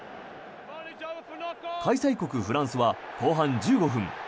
開催国フランスは後半１５分。